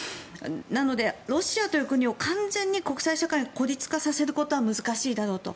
なので、ロシアという国を完全に国際社会で孤立化させることは難しいだろうと。